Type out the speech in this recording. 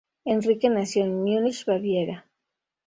Enrique nació en Múnich, Baviera.